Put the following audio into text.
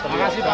terima kasih pak